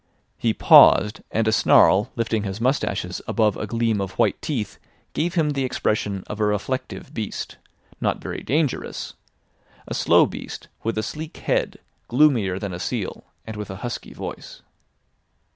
He paused, and a snarl lifting his moustaches above a gleam of white teeth gave him the expression of a reflective beast, not very dangerous—a slow beast with a sleek head, gloomier than a seal, and with a husky voice.